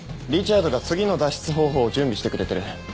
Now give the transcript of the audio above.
リチャードが次の脱出方法を準備してくれてる。